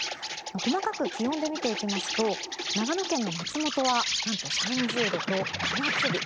細かく気温で見ていきますと長野県の松本は何と３０度と真夏日。